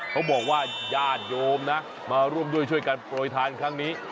เขาบอกว่าย่านโยมนะมาร่วมย่อยช่วยการปล่อยทานครั้งนี้